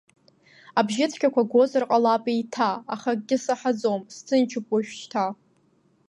Абжьыцәгьақәа гозар ҟалап еиҭа, аха акгьы саҳаӡом, сҭынчуп уажәшьҭа.